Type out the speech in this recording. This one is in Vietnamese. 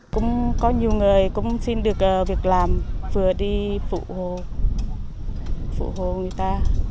cũng có nhiều người cũng xin được việc làm vừa đi phụ hồ người ta